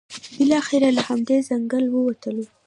بالاخره له همدې ځنګل ووتلو.